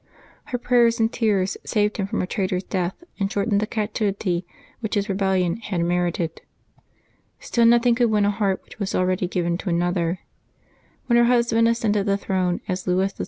Her prayers and tears saved him from a traitor's death and shortened the captivity which his rebellion had merited. Still nothing could win a heart which was al ready given to another. When her husband ascended the throne as Louis XII.